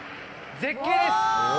絶景です！